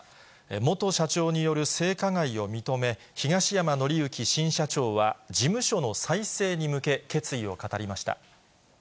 元社長による性加害を認め、東山紀之新社長は、事務所の再生に向け、決意を語りました。